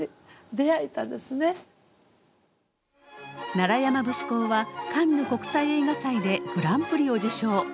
「楢山節考」はカンヌ国際映画祭でグランプリを受賞。